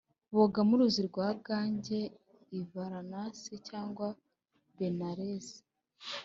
boga mu ruzi rwa gange i varanasi cyangwa benares